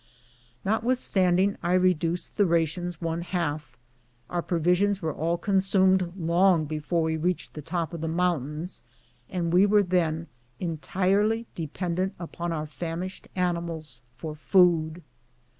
Notwithstanding I reduced the rations one half, our pro visions were all consumed long before we reached the top of the mountains, and we were then entirely dependent upon our famished animals for food.